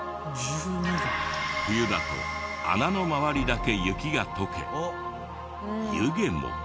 冬だと穴の周りだけ雪が解け湯気も。